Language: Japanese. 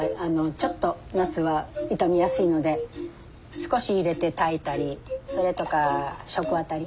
ちょっと夏は傷みやすいので少し入れて炊いたりそれとか食あたり。